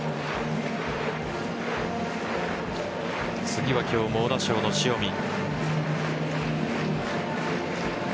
次は今日猛打賞の塩見。